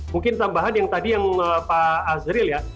mungkin tambahan yang tadi yang pak azril ya